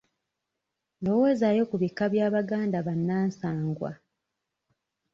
Lowoozaayo ku bika by'Abaganda bannansangwa.